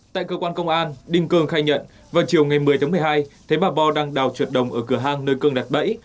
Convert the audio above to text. tại cơ quan công an đinh cương khai nhận vào chiều ngày một mươi tháng một mươi hai thấy bà bo đang đào trượt đồng ở cửa hang nơi cương đặt bẫy